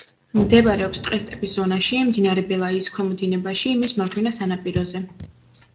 მდებარეობს ტყე-სტეპის ზონაში, მდინარე ბელაიის ქვემო დინებაში, მის მარჯვენა სანაპიროზე.